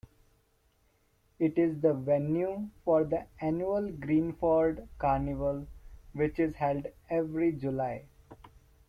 It is the venue for the annual Greenford Carnival, which is held every July.